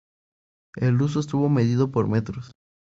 El uso estuvo medido por metros.